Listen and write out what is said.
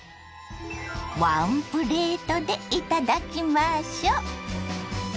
ワンプレートでいただきましょ。